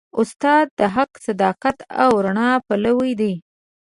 استاد د حق، صداقت او رڼا پلوي دی.